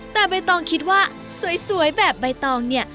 แต่ใบตองคิดว่าสวยแบบใบตองเนี่ย